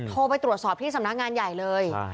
โทรไปตรวจสอบที่สำนักงานใหญ่เลย